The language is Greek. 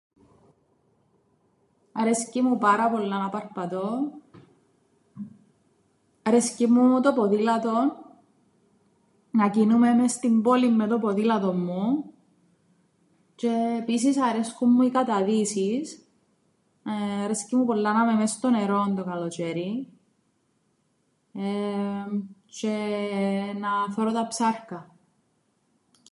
Αρέσκει μου πάρα πολλά να παρπατώ, αρέσκει μου το ποδήλατον, να κινούμαι μες στην πόλην με το ποδήλατον μου, τζ̌αι επίσης αρέσκουν μου οι καταδύσεις, εεε, αρέσκει μου πολλά να 'μαι μες στο νερόν το καλοτζ̌αίριν, εμμ, τζ̌αι να θωρώ τα ψάρκα.